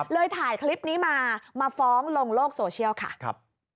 ถ่ายคลิปนี้มามาฟ้องลงโลกโซเชียลค่ะ